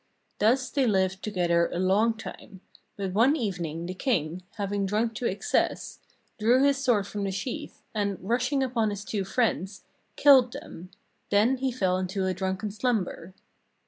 Thus they lived together a long time; but one evening the king, having drunk to excess, drew his sword from the sheath, and, rushing upon his two friends, killed them; then he fell into a drunken slumber.